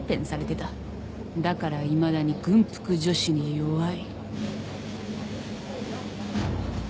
だからいまだに軍服女子に弱い。